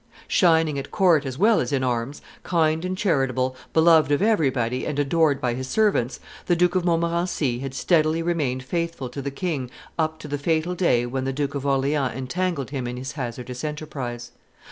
Shining at court as well as in arms, kind and charitable, beloved of everybody and adored by his servants, the Duke of Montmorency had steadily remained faithful to the king up to the fatal day when the Duke of Orleans entangled him in his hazardous enterprise.